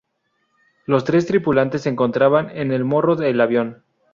Los tres tripulantes se encontraban en el morro del avión.